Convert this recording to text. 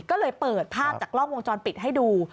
ก็เลยเปิดภาพจากกล้องวงจรปิดให้ดู